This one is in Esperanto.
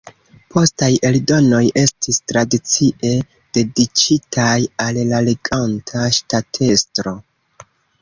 Postaj eldonoj estis tradicie dediĉitaj al la reganta ŝtatestro.